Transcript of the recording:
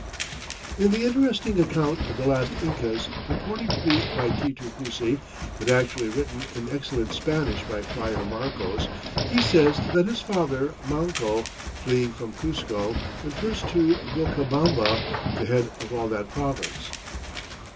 In the interesting account of the last Incas purporting to be by Titu Cusi, but actually written in excellent Spanish by Friar Marcos, he says that his father, Manco, fleeing from Cuzco went first "to Vilcabamba, the head of all that province."